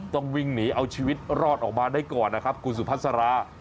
ต้องวิ่งหนีเอาชีวิตรอดออกมาได้ก่อนคุณสุภัทรสาร้า